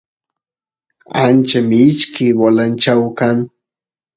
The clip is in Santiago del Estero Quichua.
ancha mishki bolanchau kan